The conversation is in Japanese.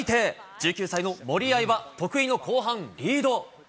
１９歳の森秋彩は得意の後半、リード。